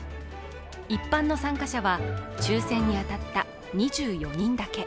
一般の参加者は抽選に当たった２４人だけ。